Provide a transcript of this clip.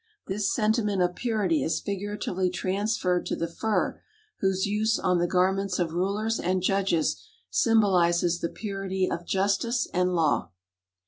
This sentiment of purity is figuratively transferred to the fur whose use on the garments of rulers and judges symbolizes the purity of justice and law.